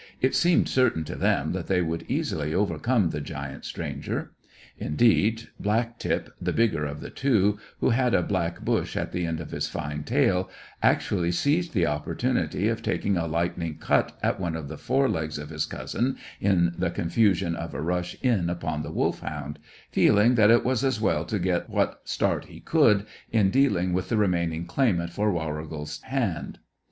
It seemed certain to them that they would easily overcome the giant stranger. Indeed, Black tip, the bigger of the two, who had a black bush at the end of his fine tail, actually seized the opportunity of taking a lightning cut at one of the fore legs of his cousin in the confusion of a rush in upon the Wolfhound, feeling that it was as well to get what start he could in dealing with the remaining claimant for Warrigal's hand.